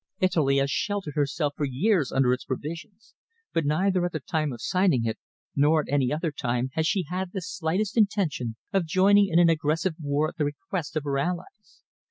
Italy has sheltered herself for years under its provisions, but neither at the time of signing it, nor at any other time, has she had the slightest intention of joining in an aggressive war at the request of her allies.